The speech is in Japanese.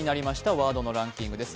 ワードのランキングです。